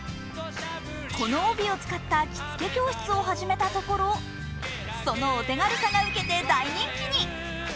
この帯を使った着付け教室を始めたところ、そのお手軽さがウケて大人気に。